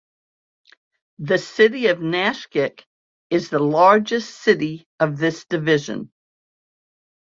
The city of Nashik is the largest city of this division.